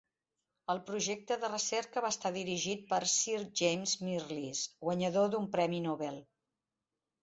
El projecte de recerca va estar dirigit per Sir James Mirrlees, guanyador d'un premi Nobel.